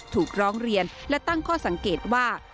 ถูกร้องเรียนและตั้งข้อสังเกตว่า